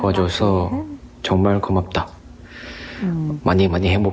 อันนี้ก็พูดภาษาเกาหลี